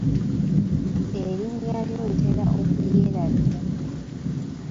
Erinnya lyo ntera okulyerabira.